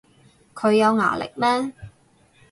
佢有牙力咩